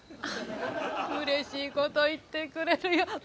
うれしいこと言ってくれるよ。